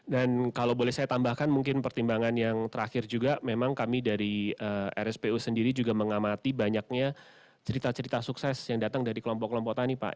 dan kalau boleh saya tambahkan mungkin pertimbangan yang terakhir juga memang kami dari rspo sendiri juga mengamati banyaknya cerita cerita sukses yang datang dari kelompok kelompok petani pak